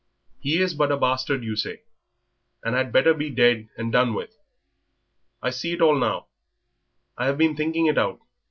He is but a bastard, you say, and had better be dead and done with. I see it all now; I have been thinking it out.